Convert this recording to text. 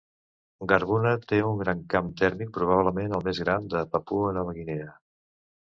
Garbuna té un gran camp tèrmic, probablement el més gran de Papua Nova Guinea.